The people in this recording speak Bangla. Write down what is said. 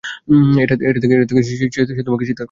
এটা থেকে সে তোমাকে চিৎকার করে ডাকে।